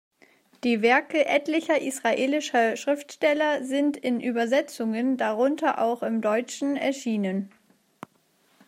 Die Werke etlicher israelischer Schriftsteller sind in Übersetzungen, darunter auch im Deutschen, erschienen.